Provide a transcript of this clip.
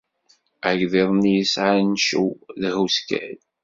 Agḍiḍ-nni yesɛa incew d ahuskay.